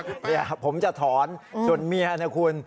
เนี่ยผมจะถอนส่วนเมียนะคุณ